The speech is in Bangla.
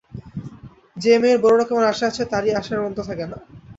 যে মেয়ের বড়ো রকমের আশা আছে তারই আশার অন্ত থাকে না।